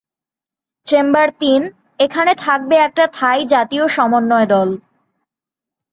Chamber তিন, এখানে থাকবে একটা থাই জাতীয় সমন্বয় দল।